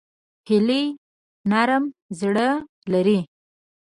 هیلۍ نرم زړه لري